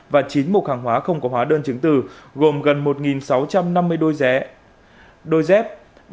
và chín mục hàng hóa không có hóa đơn chứng từ gồm gần một sáu trăm năm mươi đôi dé đôi dép